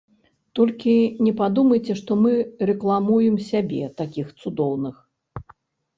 Толькі не падумайце, што мы рэкламуем сябе, такіх цудоўных!